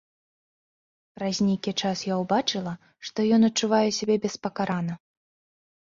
Праз нейкі час я ўбачыла, што ён адчувае сябе беспакарана.